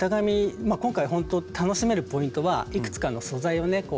まあ今回ほんと楽しめるポイントはいくつかの素材をね